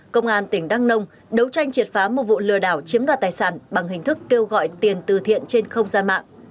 công an tỉnh đăng nông đấu tranh triệt phá một vụ lừa đảo chiếm đoạt tài sản bằng hình thức kêu gọi tiền từ thiện trên không gian mạng